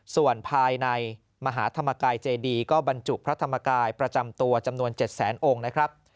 ส่วนภายในมหาธรรมกายเจดีก็บรรจุพระธรรมกายประจำตัวจำนวน๗แสนองค์นะครับ